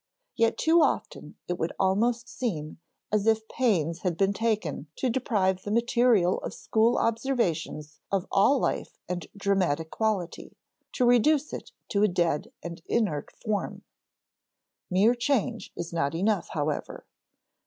Yet too often it would almost seem as if pains had been taken to deprive the material of school observations of all life and dramatic quality, to reduce it to a dead and inert form. Mere change is not enough, however.